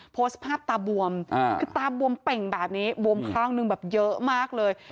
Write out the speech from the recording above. โพสต์ภาพตาบวมคือตาบวมเป่งบาปเข้าหนึ่งเยอะมากเลย